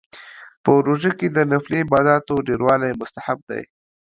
په روژه کې د نفلي عباداتو ډیروالی مستحب دی